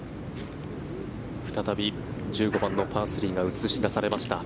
再び１５番のパー３が映し出されました。